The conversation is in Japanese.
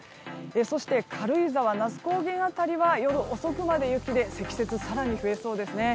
そして、軽井沢、那須高原辺りは夜遅くまで雪で積雪、更に増えそうですね。